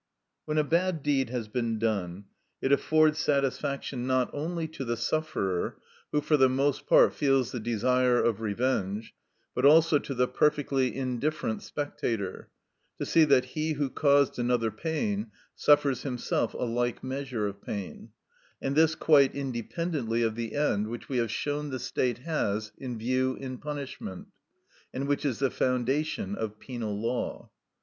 When a bad deed has been done, it affords satisfaction not only to the sufferer, who for the most part feels the desire of revenge, but also to the perfectly indifferent spectator, to see that he who caused another pain suffers himself a like measure of pain; and this quite independently of the end which we have shown the state has in view in punishment, and which is the foundation of penal law.